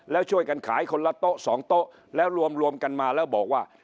แล้วช่วยกันขายคนละโต๊ะสองโต๊ะแล้วรวมกันมาแล้วบอกว่า